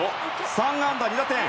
３安打２打点！